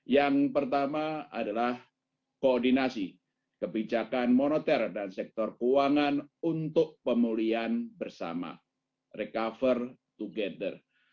yang pertama adalah koordinasi kebijakan moneter dan sektor keuangan untuk pemulihan bersama recover together